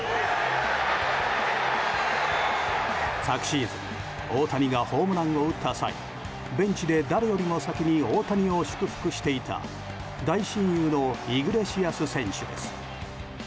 昨シーズン大谷がホームランを打った際ベンチで誰よりも先に大谷を祝福していた大親友のイグレシアス選手です。